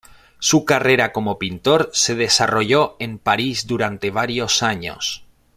Su carrera como pintor se desarrolló en París durante varios años.